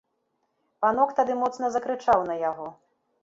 Панок тады моцна закрычаў на яго.